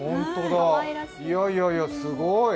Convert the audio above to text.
いやいやいや、すごい。